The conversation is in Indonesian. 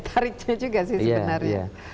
tariknya juga sih sebenarnya